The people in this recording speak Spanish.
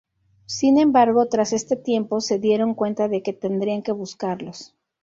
Sin embargo, tras este tiempo, se dieron cuenta de que tendrían que buscarlos.